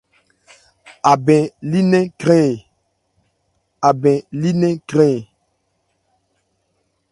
Abɛn li nnɛn krɛn ɛ ?